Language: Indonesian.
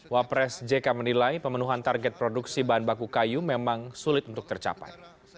wapres jk menilai pemenuhan target produksi bahan baku kayu memang sulit untuk tercapai